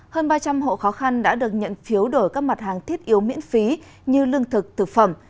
hơn ba trăm linh hộ khó khăn đã được nhận phiếu đổi các mặt hàng thiết yếu miễn phí như lương thực thực phẩm